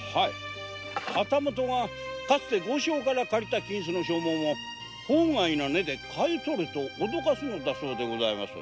旗本がかつて豪商から借りた金子の証文を法外な値で買い取れと脅すのだそうでございます。